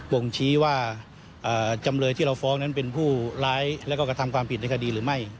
่งชี้ว่าจำเลยที่เราฟ้องนั้นเป็นผู้ร้ายแล้วก็กระทำความผิดในคดีหรือไม่